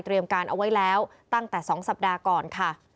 เตรียมการเอาไว้แล้วตั้งแต่สองสัปดาห์ก่อนค่ะ